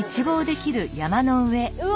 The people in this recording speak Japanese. うわ！